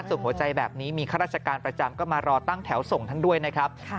หัวใจแบบนี้มีข้าราชการประจำก็มารอตั้งแถวส่งท่านด้วยนะครับ